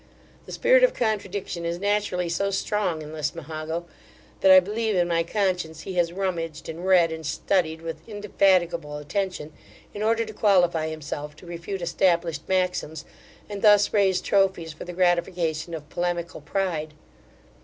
The spirit of contradiction is naturally so strong in Lismahago, that I believe in my conscience he has rummaged, and read, and studied with indefatigable attention, in order to qualify himself to refute established maxims, and thus raise trophies for the gratification of polemical pride.